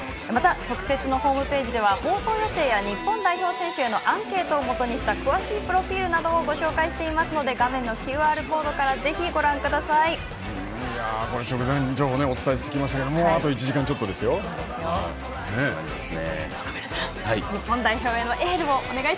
特設ホームページでは番組情報や日本代表選手へのアンケートをもとにした詳しいプロフィールなどもご紹介しますので画面のＱＲコードからぜひご覧ください。